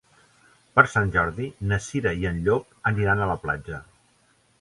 Per Sant Jordi na Cira i en Llop aniran a la platja.